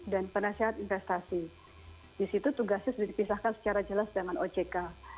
dan penasihat investasi di situ tugasnya sudah dipisahkan secara jelas dengan ojk